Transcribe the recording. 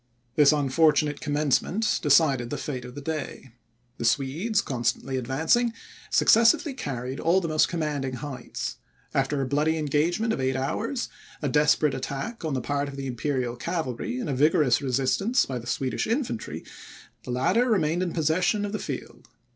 This unfortunate commencement decided the fate of the day. The Swedes, constantly advancing, successively carried all the most commanding heights. After a bloody engagement of eight hours, a desperate attack on the part of the Imperial cavalry, and a vigorous resistance by the Swedish infantry, the latter remained in possession of the field.